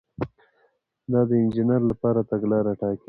دا د انجینر لپاره تګلاره ټاکي.